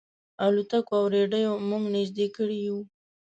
الوتکو او رېډیو موږ نيژدې کړي یو.